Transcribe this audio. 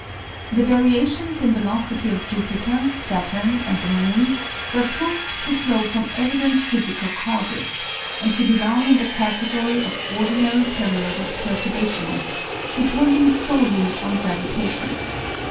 The variations in velocity of Jupiter, Saturn, and the moon, were proved to flow from evident physical causes, and to belong in the category of ordinary periodic perturbations depending solely on gravitation.